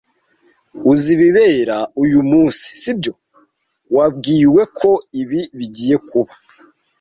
Uzi ibibera uyu munsi, sibyo? Wabwiwe ko ibi bigiye kuba.